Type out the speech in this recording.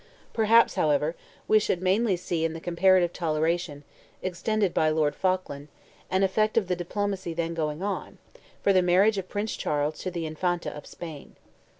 Perhaps, however, we should mainly see in the comparative toleration, extended by Lord Falkland, an effect of the diplomacy then going on, for the marriage of Prince Charles to the Infanta of Spain.